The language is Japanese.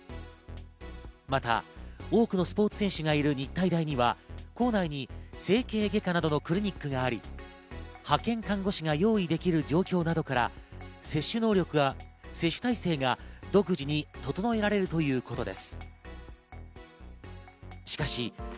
また多くのスポーツ選手がいる日体大には構内に整形外科などのクリニックがあり、派遣看護師が用意できる状況などから接種能力や接種体制が独自に整えられるということです。